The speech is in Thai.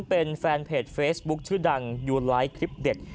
เป็นแฟนเพจเฟซบุ๊คชื่อดังยูไลท์คลิปเด็ด